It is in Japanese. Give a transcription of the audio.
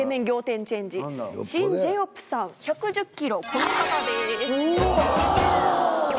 この方です。